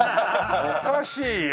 おかしいよ。